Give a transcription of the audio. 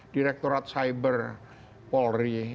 direkturat cyber polri